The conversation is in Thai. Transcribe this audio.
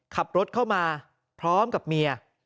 ขับรถเข้ามาพร้อมกับเมีย